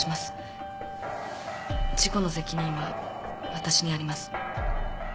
事故の責任はわたしにあります。